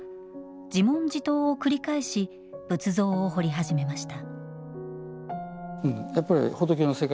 自問自答を繰り返し仏像を彫り始めました。